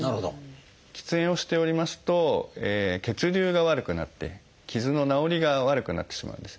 喫煙をしておりますと血流が悪くなって傷の治りが悪くなってしまうんですね。